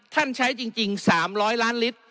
ท่านใช้จริง๓๐๐ล้านลิตร